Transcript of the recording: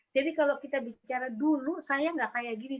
jadi kalau kita bicara dulu saya gak kayak gini